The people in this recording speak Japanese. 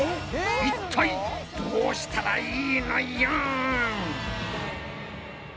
いったいどうしたらいいのよん！